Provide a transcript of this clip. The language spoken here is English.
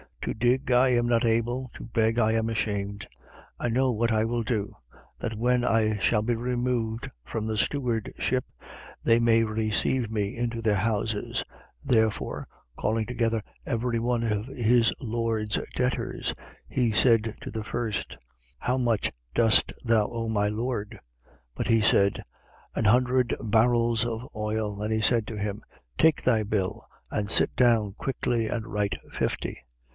To dig I am not able; to beg I am ashamed. 16:4. I know what I will do, that when I shall be removed from the stewardship, they may receive me into their houses. 16:5. Therefore, calling together every one of his lord's debtors, he said to the first: How much dost thou owe my lord? 16:6. But he said: An hundred barrels of oil. And he said to him: Take thy bill and sit down quickly and write fifty.